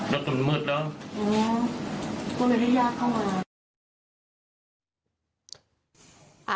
เดี๋ยวต้นมืดแล้วอ๋อก็ไม่ได้ยากเข้ามา